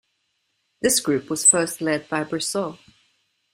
This group was first led by Brissot.